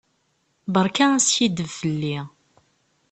Beṛka askiddeb fell-i.